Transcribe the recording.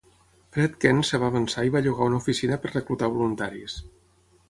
Fred Kent es va avançar i va llogar una oficina per reclutar voluntaris.